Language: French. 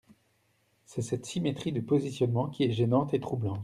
C’est cette symétrie de positionnement qui est gênante et troublante.